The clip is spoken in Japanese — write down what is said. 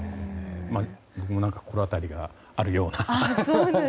僕も心当たりがあるような。